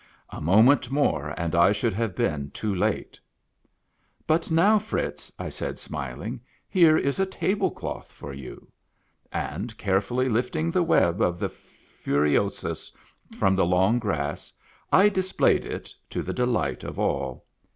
A moment more, and I should have been too late. " But now, Fritz." I said smiling, " here is a table cloth for you." And carefully lifting the web of the Furiosus from the long grass, I displayed it, to the delight of all.